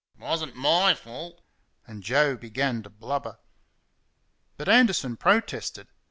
"'Twasn' MY fault." And Joe began to blubber. But Anderson protested.